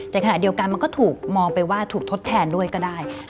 แต่ขณะเดียวกันมันก็ถูกมองไปว่าถูกทดแทนด้วยก็ได้